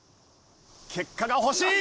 結果が欲しい！